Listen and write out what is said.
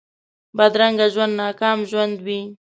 بدرنګه ژوند ناکام ژوند وي